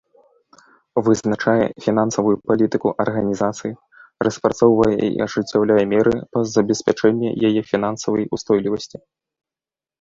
Вызначае фінансавую палітыку арганізацыі, распрацоўвае і ажыццяўляе меры па забеспячэнні яе фінансавай устойлівасці.